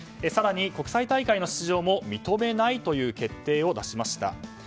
更に、国際大会の出場も認めないという決定を出しました。